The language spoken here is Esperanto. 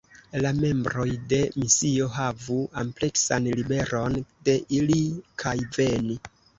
La membroj de misio havu ampleksan liberon de iri kaj veni.